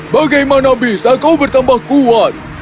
bagaimana bisa kau bertambah kuat